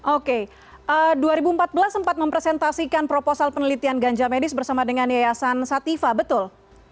oke dua ribu empat belas sempat mempresentasikan proposal penelitian ganja medis bersama dengan yayasan satifah betul